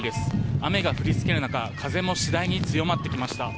雨が降りつける中風も次第に強まってきました。